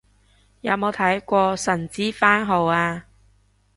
有冇睇過神之番號啊